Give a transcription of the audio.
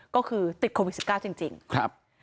ก็คือติดโควิด๑๙จริงครับ